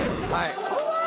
怖い！